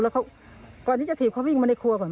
แล้วเขาก่อนที่จะถีบเขาวิ่งมาในครัวก่อน